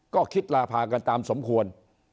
ก็คิดลาพากันตามสมควร